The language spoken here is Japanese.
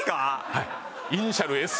はい。